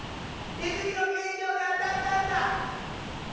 ネズミの懸賞で当たったんだ」。